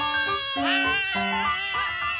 はい！